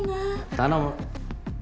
頼む。